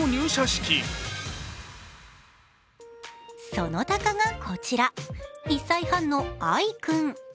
その鷹がこちら、１歳半の藍君。